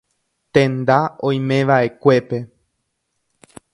Tenda oimeva'ekuépe.